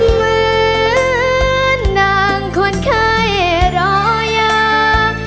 เหมือนนางคนเคยรออย่าง